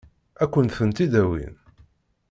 Ad kent-tent-id-awin?